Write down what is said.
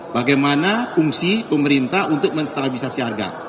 bagaimana fungsi pemerintah untuk menstabilisasi harga